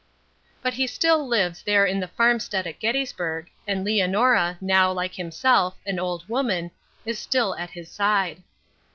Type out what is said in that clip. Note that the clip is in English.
But he still lives there in the farmstead at Gettysburg, and Leonora, now, like himself, an old woman, is still at his side.